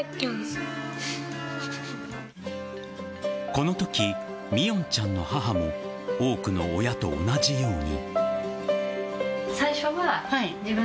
このとき、みおんちゃんの母も多くの親と同じように。